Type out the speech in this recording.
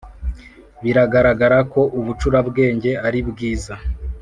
biragaragara ko ubucurabwenge aribwiza